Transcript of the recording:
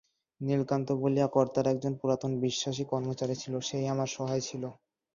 নীলকান্ত বলিয়া কর্তার একজন পুরাতন বিশ্বাসী কর্মচারী ছিল, সেই আমার সহায় ছিল।